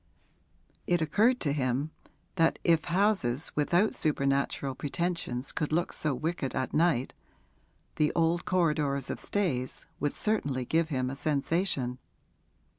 It occurred to him that if houses without supernatural pretensions could look so wicked at night, the old corridors of Stayes would certainly give him a sensation.